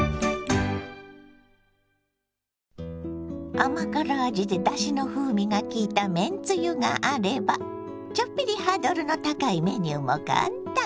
甘辛味でだしの風味がきいためんつゆがあればちょっぴりハードルの高いメニューも簡単！